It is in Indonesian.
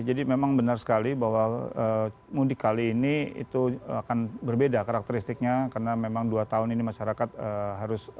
jadi memang benar sekali bahwa mudik kali ini itu akan berbeda karakteristiknya karena memang dua tahun ini masyarakat harus